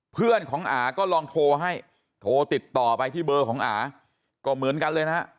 เพื่อนของอาก็ลองโทรให้โทรติดต่อไปที่เบอร์ของอาก็เหมือนกันเลยนะฮะ